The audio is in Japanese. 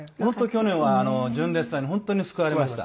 去年は純烈さんに本当に救われました。